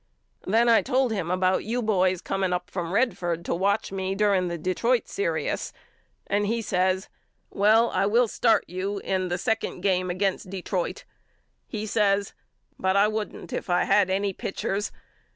Then I told him about you boys coming up from Redford to watch me during the Detroit serious and he says Well I will start you in the second game against De troit. He says Rut I wouldn't if I had any pitchers.